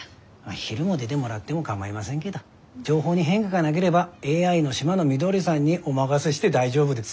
昼も出でもらってもかまいませんけど情報に変化がなげればＡＩのシマノミドリさんにお任せして大丈夫です。